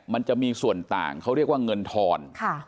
มันจะมีส่วนต่างเขาเรียกว่าเงินทอน